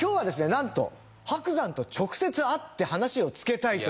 なんと伯山と直接会って話をつけたいという方が。